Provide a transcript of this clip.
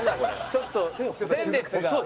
ちょっと前列が。